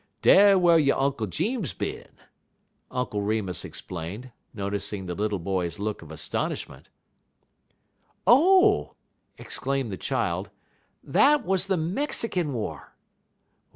Dar whar yo' Unk' Jeems bin," Uncle Remus explained, noticing the little boy's look of astonishment. "Oh!" exclaimed the child, "that was the Mexican war."